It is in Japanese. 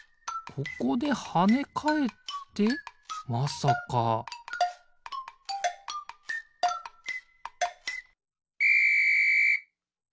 ここではねかえってまさかピッ！